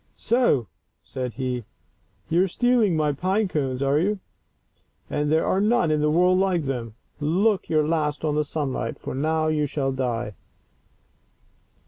" So," said he, " you are stealing my pine cones, are you ? And there are none in the world like them. Look your last on the sunlight, for now you shall die."